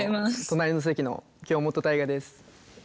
隣の席の京本大我です。